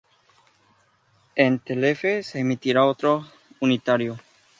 En Telefe se emitirá otro unitario.